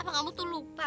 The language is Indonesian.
apa kamu tuh lupa